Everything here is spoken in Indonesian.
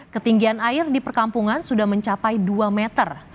ketinggian air di perkampungan sudah mencapai dua meter